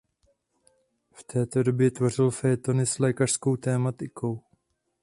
V této době tvořil fejetony s lékařskou tematikou.